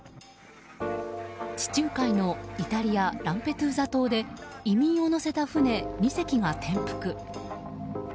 地中海のイタリア・ランペドゥーザ島沖で移民を乗せた船２隻が転覆。